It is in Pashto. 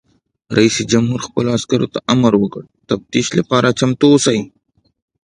رئیس جمهور خپلو عسکرو ته امر وکړ؛ د تفتیش لپاره چمتو اوسئ!